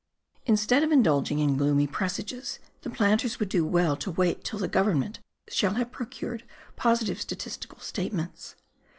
Instead of indulging in gloomy presages the planters would do well to wait till the government shall have procured positive statistical statements.